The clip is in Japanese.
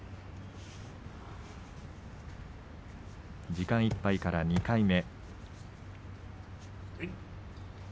時間いっぱいから２回目。